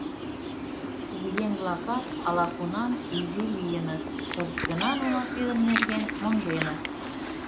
Кугыеҥ-влакат ала-кунам изи лийыныт, кызыт гына нуно тидын нерген монденыт.